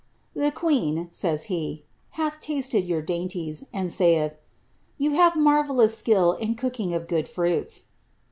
^ The queen," says he, ^ hath tasted your dainties, and saith, ^ yon aeve marvellous skill in cooking of good fraits.'